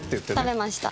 食べました。